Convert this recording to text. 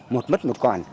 một mất một còn